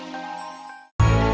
sampai jumpa lagi